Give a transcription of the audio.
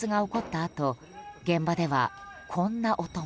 あと現場では、こんな音も。